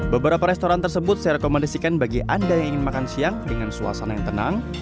beberapa restoran tersebut saya rekomendasikan bagi anda yang ingin makan siang dengan suasana yang tenang